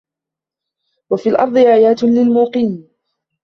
وَفِي الأَرضِ آياتٌ لِلموقِنينَ